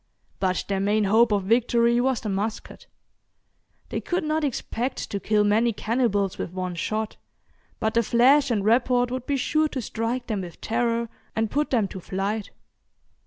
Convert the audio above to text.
But their main hope of victory was the musket. They could not expect to kill many cannibals with one shot, but the flash and report would be sure to strike them with terror, and put them to flight.